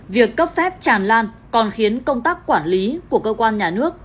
việc cấp phép tràn lan còn khiến công tác quản lý của cơ quan nhà nước